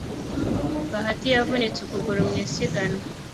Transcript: Bahati yavunitse ukuguru mu isiganwa